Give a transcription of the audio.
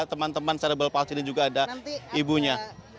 teman teman cerebel palsili juga ada ibunya